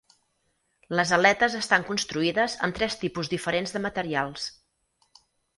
Les aletes estan construïdes amb tres tipus diferents de materials.